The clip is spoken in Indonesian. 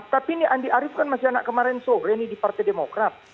tapi ini andi arief kan masih anak kemarin sore nih di partai demokrat